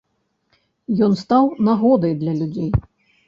Ён стаў нагодай для людзей.